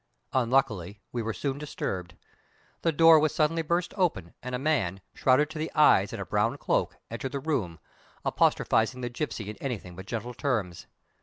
Unluckily we were soon disturbed. The door was suddenly burst open, and a man, shrouded to the eyes in a brown cloak, entered the room, apostrophizing the gipsy in anything but gentle terms.